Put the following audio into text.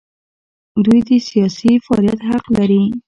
دوی د سیاسي فعالیت حق لري.